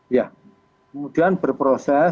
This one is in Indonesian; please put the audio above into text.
ya kemudian berproses